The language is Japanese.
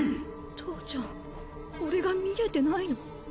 父ちゃん俺が見えてないの？